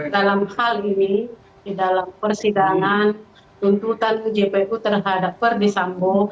dalam hal ini di dalam persidangan tuntutan ujpu terhadap verdi sambo